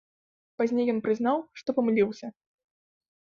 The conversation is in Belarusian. Пазней ён прызнаў, што памыліўся.